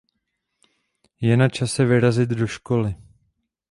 Je na čase vyrazit do školy.